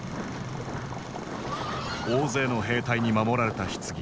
大勢の兵隊に守られたひつぎ。